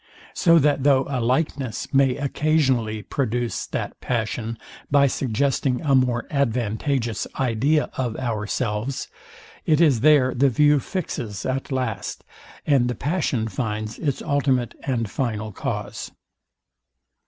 So that though a likeness may occasionally produce that passion by suggesting a more advantageous idea of ourselves, it is there the view fixes at last, and the passion finds its ultimate and final cause.